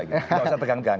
tidak usah tegang tegang